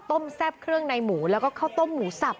แซ่บเครื่องในหมูแล้วก็ข้าวต้มหมูสับ